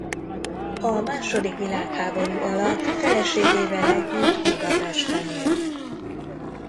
A második világháború alatt feleségével együtt Budapesten élt.